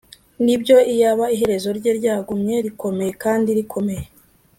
nibyo, iyaba iherezo rye ryagumye rikomeye kandi rikomeye